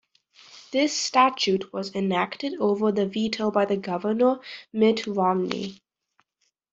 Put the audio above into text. This statute was enacted over the veto by the Governor, Mitt Romney.